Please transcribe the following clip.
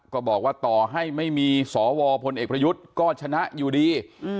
ก็บอกว่าต่อให้ไม่มีสวพลเอกประยุทธ์ก็ชนะอยู่ดี